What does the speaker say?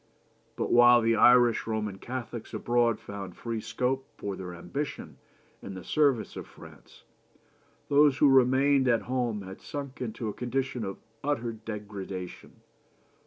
But while the Irish Roman Catholics abroad found free scope for their ambition in the service of France, those who remained at home had sunk into a condition of utter degradation.